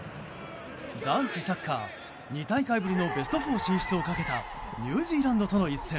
男子サッカー、２大会ぶりのベスト４進出をかけたニュージーランドとの一戦。